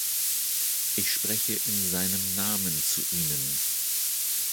Ich spreche in seinem Namen zu Ihnen.